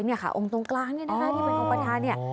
เนี่ยค่ะองค์ตรงกลางเนี่ยนะคะที่เป็นองค์ประธานเนี่ย